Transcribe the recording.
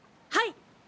はい。